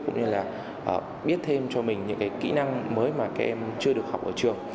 cũng như là biết thêm cho mình những cái kỹ năng mới mà các em chưa được học ở trường